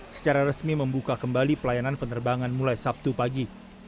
secara resmi membuka kembali pelayanan penerbangan mulai sabtu pagi